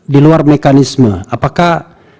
di luar mekanisme apakah